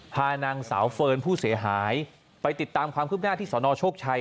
พานางสาวเฟิร์นผู้เสียหายไปติดตามความคืบหน้าที่สนโชคชัย